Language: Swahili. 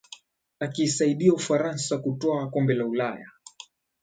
akiisaidia Ufaransa kutwaa kombe la Ulaya